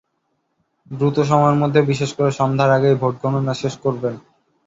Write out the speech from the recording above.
দ্রুত সময়ের মধ্যে বিশেষ করে সন্ধ্যার আগেই ভোট গণনা শেষ করবেন।